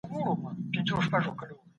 ډیپلوماټان چیرته د بندیانو حقونه څاري؟